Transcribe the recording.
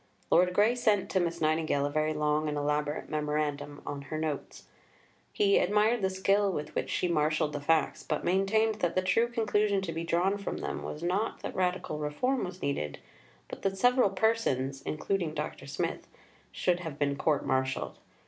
Lord Grey sent to Miss Nightingale a very long and elaborate Memorandum on her Notes. He admired the skill with which she marshalled the facts; but maintained that the true conclusion to be drawn from them was not that radical reform was needed, but that several persons (including Dr. Smith) should have been court martialled.